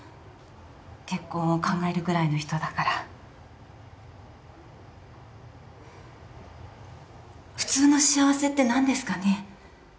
結婚を考えるぐらいの人だから普通の幸せって何ですかね？